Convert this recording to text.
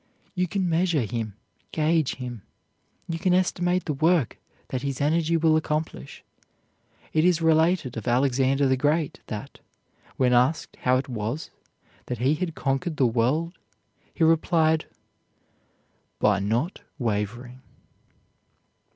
You can measure him, gauge him. You can estimate the work that his energy will accomplish. It is related of Alexander the Great that, when asked how it was that he had conquered the world, he replied, "By not wavering."